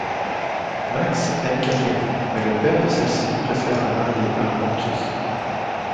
Max aime Catherine, mais le père de celle-ci préfère la marier à un banquier.